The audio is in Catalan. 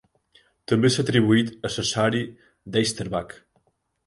També s'ha atribuït a Cessari d'Heisterbach.